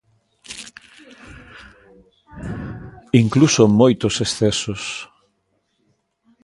Incluso moitos excesos.